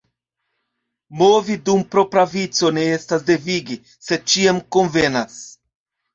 Movi dum propra vico ne estas devige, sed ĉiam konvenas.